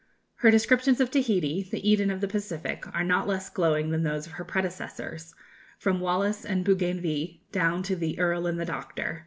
Her descriptions of Tahiti, the Eden of the Pacific, are not less glowing than those of her predecessors, from Wallis and Bougainville down to "the Earl and the Doctor."